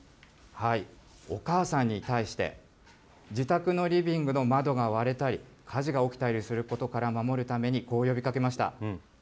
お母さんに対して、自宅のリビングの窓が割れたり、火事が起きたりすることから守るために、こう呼びかけました。